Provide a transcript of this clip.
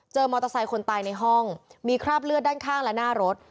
มอเตอร์ไซค์คนตายในห้องมีคราบเลือดด้านข้างและหน้ารถ